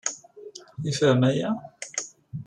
Yefhem aya?